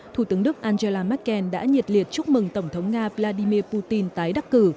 thủ tướng đức angela merkel đã nhiệt liệt chúc mừng tổng thống nga vladimir putin tái đắc cử